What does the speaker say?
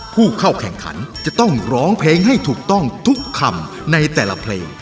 ผู้เข้าแข่งขันจะต้องร้องเพลงให้ถูกต้องทุกคำในแต่ละเพลง